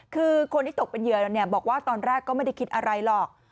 คือคนที่ตกเป็นเหยื่อบอกว่าตอนแรกก็ไม่ได้คิดอะไรหรอก